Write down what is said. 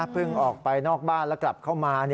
ออกไปนอกบ้านแล้วกลับเข้ามา